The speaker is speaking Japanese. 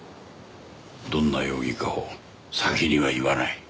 どんな容疑かを先には言わない。